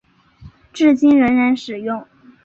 至今仍然使用。